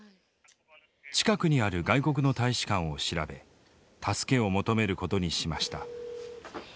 近くにある外国の大使館を調べ助けを求めることにしました。